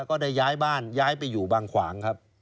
ก็ได้ย้ายบ้านย้ายไปอยู่บางขวางครับ